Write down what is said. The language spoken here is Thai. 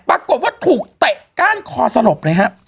ปรากฏว่าถูกเตะก้านคอสลบนะครับ